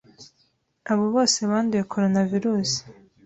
abo bose banduye coronavirus,